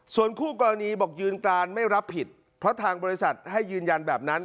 ส่วนคู่กรณีบอกยืนการไม่รับผิดเพราะทางบริษัทให้ยืนยันแบบนั้น